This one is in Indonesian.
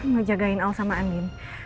ngejagain al sama andin